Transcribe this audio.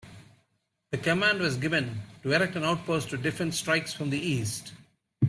The command was given to erect an outpost to defend strikes from the east.